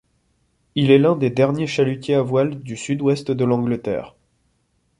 Il est l'un des derniers chalutiers à voile du sud-ouest de l'Angleterre.